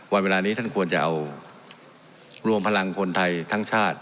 เวลานี้ท่านควรจะเอารวมพลังคนไทยทั้งชาติ